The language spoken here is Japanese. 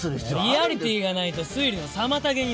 リアリティーがないと推理の妨げになる。